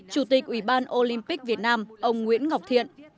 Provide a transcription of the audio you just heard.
chủ tịch ủy ban olympic việt nam ông nguyễn ngọc thiện